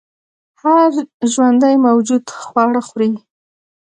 هر ژوندی موجود خواړه خوري